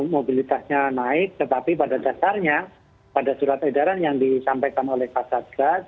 mobilitasnya naik tetapi pada dasarnya pada surat edaran yang disampaikan oleh kasatgas